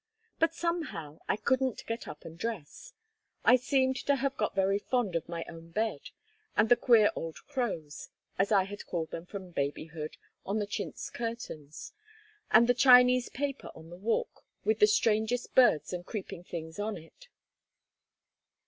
But somehow I couldn't get up and dress. I seemed to have got very fond of my own bed, and the queer old crows, as I had called them from babyhood, on the chintz curtains, and the Chinese paper on the wall with the strangest birds and creeping things on it.